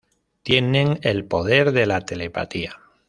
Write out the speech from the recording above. Tienen el poder de la telepatía.